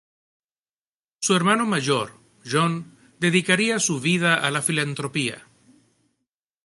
Su hermano mayor, John, dedicaría su vida a la filantropía.